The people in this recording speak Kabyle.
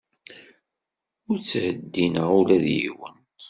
Ur ttheddineɣ ula d yiwen.